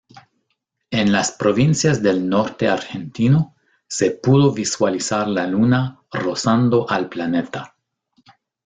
En las provincias del norte argentino, se pudo visualizar la Luna rozando al planeta.